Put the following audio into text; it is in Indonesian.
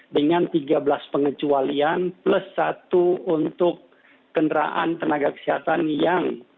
dengan tiga belas pengecualian plus satu untuk kendaraan tenaga kesehatan yang